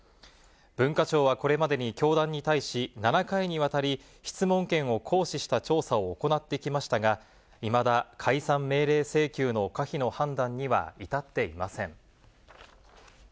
文化庁はこれまでに教団に対し、７回にわたり質問権を行使した調査を行ってきましたが、いまだ解散命令請求の可否の判断には至っていません。